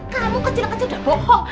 kamu kecil kecil tidak bohong